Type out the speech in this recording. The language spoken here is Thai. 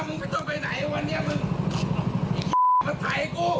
มาถ่ายอีกความมาถ่ายให้กู่